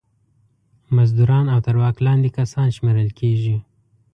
مزدوران او تر واک لاندې کسان شمېرل کیږي.